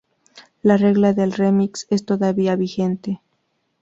La regla del remix es todavía vigente.